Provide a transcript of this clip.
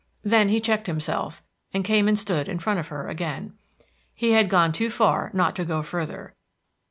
Then he checked himself, and came and stood in front of her again. He had gone too far not to go further.